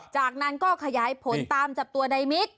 จากนั้นก็ขยายผลตามจับตัวในมิก